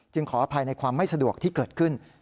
ขออภัยในความไม่สะดวกที่เกิดขึ้น